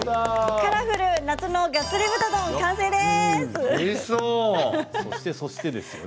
カラフルガッツリ豚丼完成です。